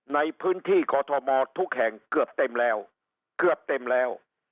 ในพื้นที่กอทมทุกแห่งเกือบเต็มแล้วเกือบเต็มแล้ว